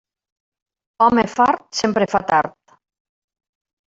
Home fart sempre fa tard.